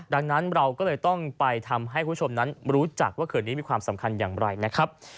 ดังนั้นเราก็เลยต้องไปทำให้คุณผู้ชมนั้นรู้จักว่าเขื่อนนี้มีความสำคัญอย่างไรนะครับ